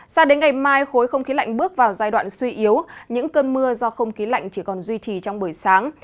sao đến ngày mai khối không khí lạnh bước vào giai đoạn suy yếu những cơn mưa do không khí lạnh chỉ còn duy trì trong buổi sáng